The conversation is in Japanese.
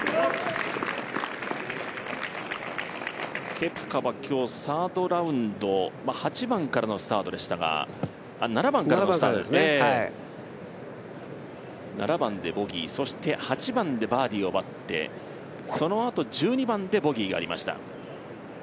ケプカは今日、サードラウンド、７番からのスタートでしたが７番でボギー、そして８番でバーディーを奪ってそのあと１２番でボギーがありました。